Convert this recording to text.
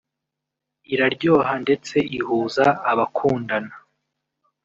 iraryoha ndetse ihuza abakundana